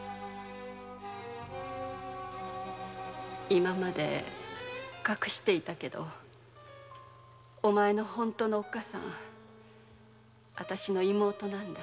今まで隠していたけどお前の本当のおっかさんはあたしの妹なんだ。